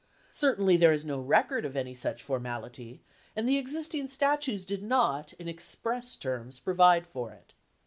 Certainly there is no record of any such for mality, and the existing statutes did not, in ex press terms, provide for it.